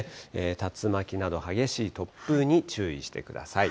竜巻など激しい突風に注意してください。